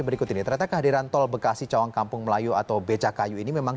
berikut ini ternyata kehadiran tol bekasi cawang kampung melayu atau becakayu ini memang